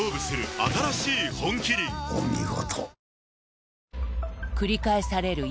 お見事。